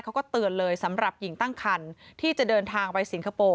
เขาก็เตือนเลยสำหรับหญิงตั้งคันที่จะเดินทางไปสิงคโปร์